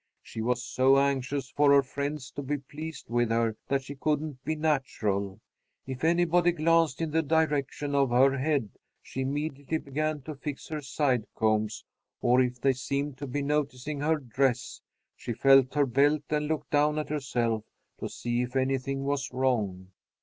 She was so anxious for her friends to be pleased with her that she couldn't be natural. If anybody glanced in the direction of her head, she immediately began to fix her side combs, or if they seemed to be noticing her dress, she felt her belt and looked down at herself to see if anything was wrong.